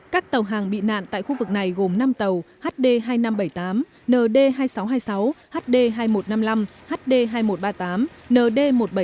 các tàu hàng bị nạn tại khu vực này gồm năm tàu hd hai nghìn năm trăm bảy mươi tám nd hai nghìn sáu trăm hai mươi sáu hd hai nghìn một trăm năm mươi năm hd hai nghìn một trăm ba mươi tám nd một trăm bảy mươi bảy